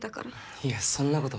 いやそんなこと。